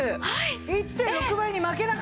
１．６倍に負けなかった。